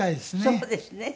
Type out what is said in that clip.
そうですね。